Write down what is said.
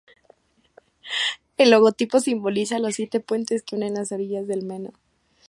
El logotipo simboliza los siete puentes que unen las orillas del Meno.